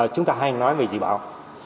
chúng ta hay nói về dự báo